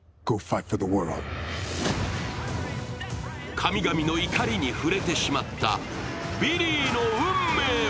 神々の怒りに触れてしまったビリーの運命は？